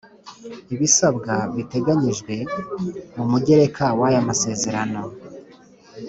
Ibisabwa biteganyijwe mu mugereka w’aya masezerano